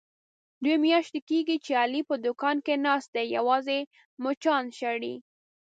دوه میاشتې کېږي، چې علي په دوکان کې ناست دی یوازې مچان شړي.